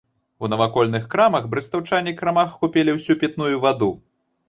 У навакольных крамах брэстаўчане крамах скупілі ўсю пітную ваду.